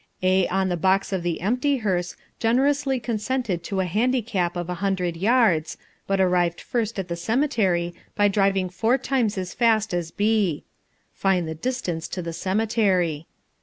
A on the box of the empty hearse generously consented to a handicap of a hundred yards, but arrived first at the cemetery by driving four times as fast as B. (Find the distance to the cemetery.)